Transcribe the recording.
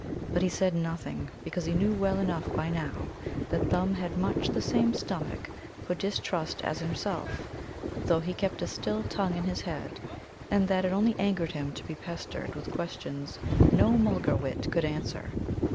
But he said nothing, because he knew well enough by now that Thumb had much the same stomach for distrust as himself, though he kept a still tongue in his head, and that it only angered him to be pestered with questions no Mulgar wit could answer.